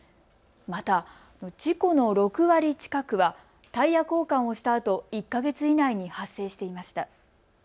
また事故の６割近くはタイヤ交換をしたあと１か月以内に発生していました。